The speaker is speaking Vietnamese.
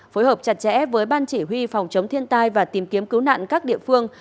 phối hợp chặt chẽ với ban chỉ huy phòng chống thiên tai và tìm kiếm cứu nạn các địa phương